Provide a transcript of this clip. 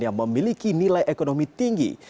yang memiliki nilai ekonomi tinggi